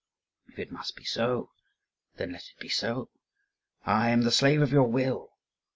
"If it must be so, then let it be so. I am the slave of your will.